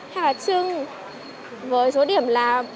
hay là trưng với số điểm là